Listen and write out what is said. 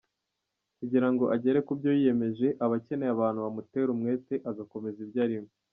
Kugira ngo agere ku byo yiyemeje, aba akeneye abantu bamutera umwete agakomeza ibyo arimo.